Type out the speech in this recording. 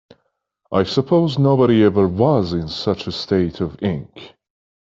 I suppose nobody ever was in such a state of ink.